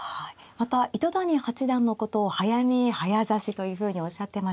また糸谷八段のことを早見え早指しというふうにおっしゃってました。